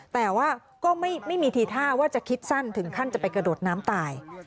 แต่ว่าก็ไม่มีทีท่าว่าจะคิดสั้นถึงขั้นจะไปกระโดดน้ำตาย